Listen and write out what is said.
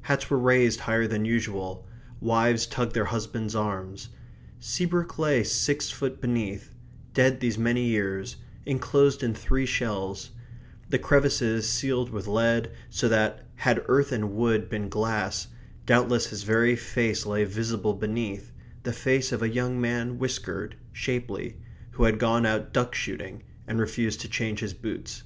Hats were raised higher than usual; wives tugged their husbands' arms. Seabrook lay six foot beneath, dead these many years; enclosed in three shells; the crevices sealed with lead, so that, had earth and wood been glass, doubtless his very face lay visible beneath, the face of a young man whiskered, shapely, who had gone out duck shooting and refused to change his boots.